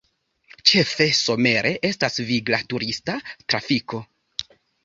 Ĉefe somere estas vigla turista trafiko.